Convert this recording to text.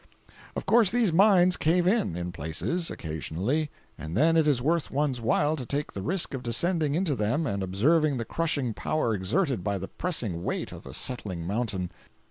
Of course these mines cave in, in places, occasionally, and then it is worth one's while to take the risk of descending into them and observing the crushing power exerted by the pressing weight of a settling mountain.